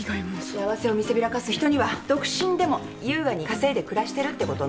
幸せを見せびらかす人には独身でも優雅に稼いで暮らしてるってことを見せないと。